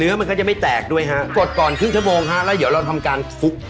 มันก็จะไม่แตกด้วยฮะกดก่อนครึ่งชั่วโมงฮะแล้วเดี๋ยวเราทำการคลุก